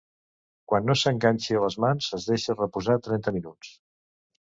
Quan no s’enganxi a les mans, es deixa reposar trenta minuts.